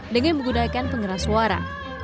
dengan menggunakan pengeras suara